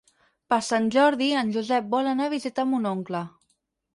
Per Sant Jordi en Josep vol anar a visitar mon oncle.